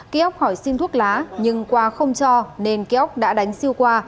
ký ốc hỏi xin thuốc lá nhưng qua không cho nên ký ốc đã đánh siêu qua